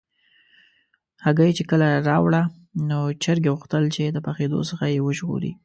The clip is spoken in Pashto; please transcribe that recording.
هګۍ چې کله راوړه، نو چرګې غوښتل چې د پخېدو څخه یې وژغوري.